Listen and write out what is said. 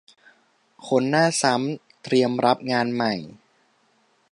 คนหน้าซ้ำเตรียมรับงานใหม่